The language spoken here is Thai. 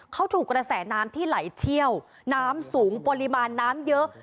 เขาถูกกระแสน้ำที่ไหลเชี่ยวน้ำสูงปริมาณน้ำเยอะ